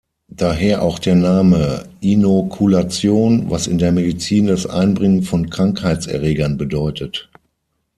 Daher auch der Name "Inokulation", was in der Medizin das Einbringen von Krankheitserregern bedeutet.